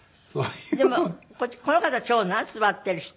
でもこの方長男？座ってる人。